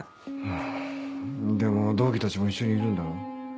ハァでも同期たちも一緒にいるんだろ？